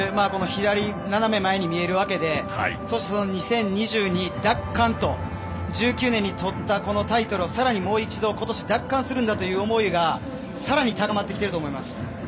左斜め前に見えるわけでそして２０２２奪還と１９年に取ったタイトルをさらにもう一度奪還するんだという思いがさらに高まってきていると思います。